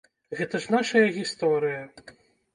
Гэта ж нашая гісторыя.